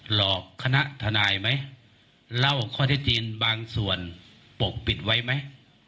หลอกคณะทนายไหมเล่าข้อเท็จจริงบางส่วนปกปิดไว้ไหม